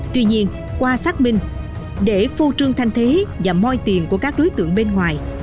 tuy nhiên qua xác minh để phô trương thanh thế và môi tiền của các đối tượng bên ngoài